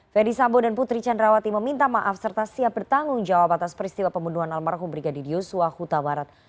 ferdi sambo dan putri candrawati meminta maaf serta siap bertanggung jawab atas peristiwa pembunuhan almarhum brigadir yosua huta barat